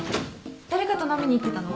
誰かと飲みに行ってたの？